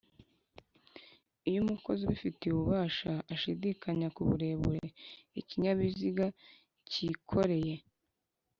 iyo umukozi ubifitiye ububasha ashidikanya kuburebure ikinyabiziga cyikoreye